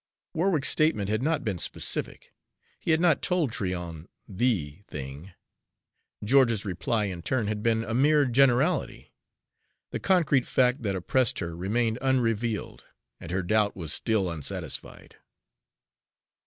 Warwick's statement had not been specific, he had not told Tryon THE thing. George's reply, in turn, had been a mere generality. The concrete fact that oppressed her remained unrevealed, and her doubt was still unsatisfied.